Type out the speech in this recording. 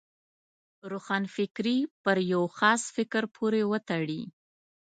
روښانفکري پر یو خاص فکر پورې وتړي.